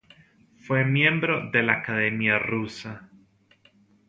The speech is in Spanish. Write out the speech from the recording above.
Fue miembro de la Academia Rusa.